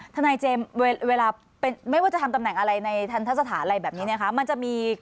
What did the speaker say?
ท่านายเจมส์เวลาไม่ว่าจะทำตำแหน่งอะไรในทันทะสถานอะไรแบบนี้